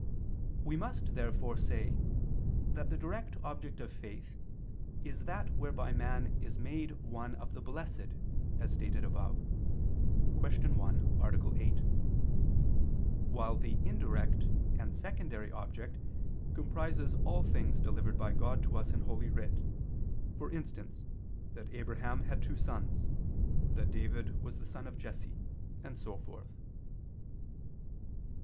We must, therefore, say that the direct object of faith is that whereby man is made one of the Blessed, as stated above (Q. 1, A. 8): while the indirect and secondary object comprises all things delivered by God to us in Holy Writ, for instance that Abraham had two sons, that David was the son of Jesse, and so forth.